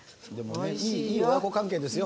いい親子関係ですよ